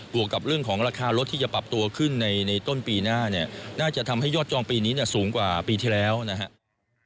วกกับเรื่องของราคารถที่จะปรับตัวขึ้นในต้นปีหน้าเนี่ยน่าจะทำให้ยอดจองปีนี้สูงกว่าปีที่แล้วนะครับ